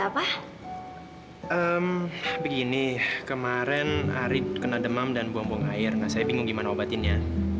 sampai jumpa di video selanjutnya